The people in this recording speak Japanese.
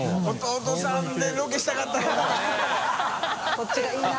こっちがいいな。